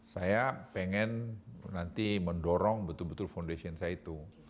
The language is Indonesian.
saya pengen nanti mendorong betul betul foundation saya itu